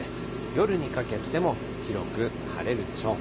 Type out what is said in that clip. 夜にかけても、広く晴れるでしょう。